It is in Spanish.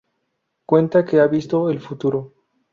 Cuenta que ha visto el futuro.